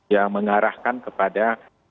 ya mengarahkan kepada